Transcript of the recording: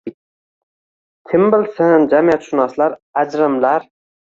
Kim bilsin, jamiyatshunoslar ajrimlar